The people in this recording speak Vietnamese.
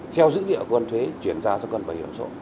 theo dữ liệu cơ quan thuế chuyển giao cho cơ quan bảo hiểm xã hội